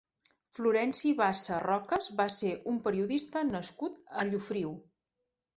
Florenci Bassa Rocas va ser un periodista nascut a Llofriu.